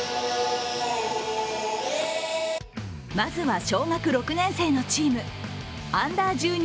まずは小学６年生のチームＵ１２